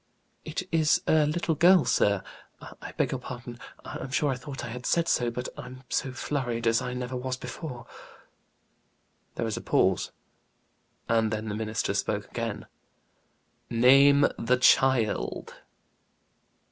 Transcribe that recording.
"It is a little girl, sir. I beg your pardon, I'm sure I thought I had said so; but I'm so flurried as I never was before." There was a pause, and then the minister spoke again. "Name the child."